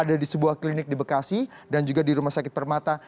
ada di sebuah klinik di bekasi dan juga di rumah sakit permata